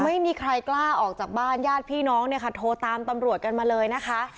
ไม่มีใครกล้าออกจากบ้านญาติพี่น้องเนี่ยค่ะโทรตามตำรวจกันมาเลยนะคะ